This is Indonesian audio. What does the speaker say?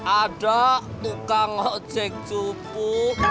ada tukang ojek cupu